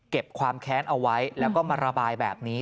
ความแค้นเอาไว้แล้วก็มาระบายแบบนี้